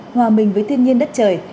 hòa mình với thiên nhiên đất trời